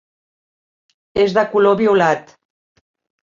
És de color violat.